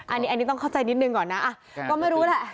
อันนี้ต้องเข้าใจนิดนึงก่อนนะก็ไม่รู้แหละ